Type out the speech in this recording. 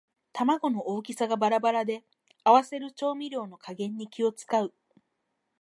玉子の大きさがバラバラで合わせる調味料の加減に気をつかう